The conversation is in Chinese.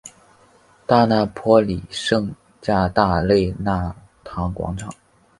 大拿坡里圣加大肋纳堂广场。